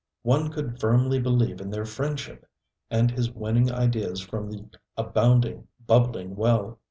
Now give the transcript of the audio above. One could firmly believe in their friendship, and his winning ideas from the abounding bubbling well.